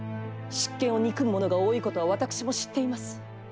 執権を憎む者が多いことは私も知っています。